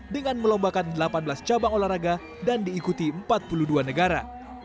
dengan melombakan delapan belas cabang olahraga dan diikuti empat puluh dua negara